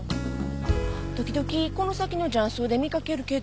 時々この先の雀荘で見かけるけど。